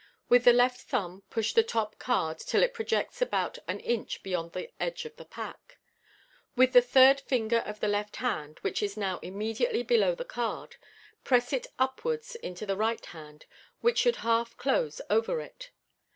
With the left thumb push the top card till it projects about an inch beyond the edge of the pack. With the third finger of the left hand, which is now immediately below the card, press it up wards into the right hand, which should half close over it.